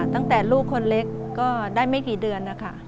ตั้งแต่ลูกคนเล็กก็ได้ไม่กี่เดือนนะคะ